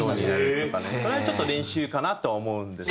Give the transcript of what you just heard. それはちょっと練習かなとは思うんですけど。